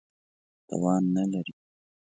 توان نه لري.